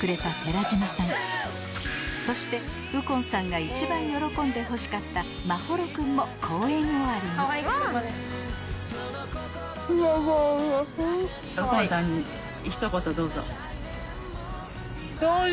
そして右近さんが一番喜んでほしかった眞秀くんも公演終わりに正直。